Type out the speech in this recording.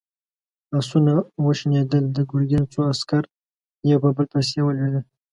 آسونه وشڼېدل، د ګرګين څو عسکر يو په بل پسې ولوېدل.